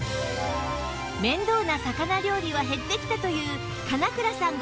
面倒な魚料理は減ってきたという神永倉さん